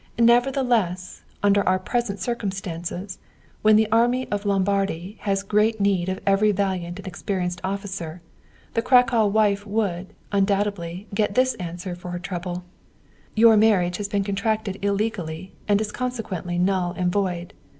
Nevertheless, under our present circumstances, when the army of Lombardy has great need of every valiant and experienced officer, the Cracow wife would, undoubtedly, get this answer for her trouble: "Your marriage has been contracted illegally, and is consequently null and void."